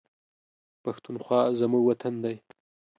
پښتونخوا زموږ وطن دی